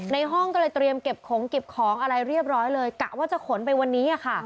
ในห้องก็เลยเตรียมเก็บของเก็บของอะไรเรียบร้อยเลยกะว่าจะขนไปวันนี้